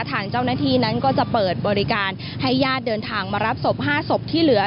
ทางเจ้าหน้าที่นั้นก็จะเปิดบริการให้ญาติเดินทางมารับศพ๕ศพที่เหลือ